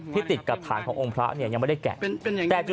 ที่ติดกับฐานขององค์พระเนี่ยยังไม่ได้แกะเป็นอย่างงี้